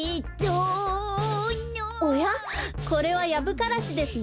おやこれはヤブカラシですね。